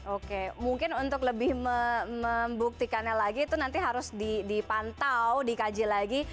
oke mungkin untuk lebih membuktikannya lagi itu nanti harus dipantau dikaji lagi